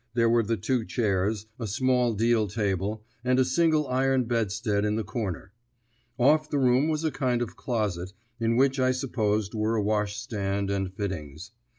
There were the two chairs, a small deal table, and a single iron bedstead in the corner. Off the room was a kind of closet, in which I supposed were a washstand and fittings.